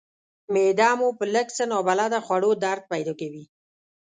معده مو په لږ څه نابلده خوړو درد پیدا کوي.